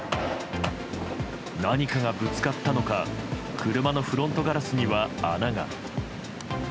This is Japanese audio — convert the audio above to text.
何かがぶつかったのか車のフロントガラスには穴が。